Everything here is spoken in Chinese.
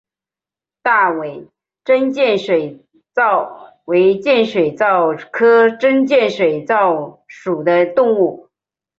大尾真剑水蚤为剑水蚤科真剑水蚤属的动物。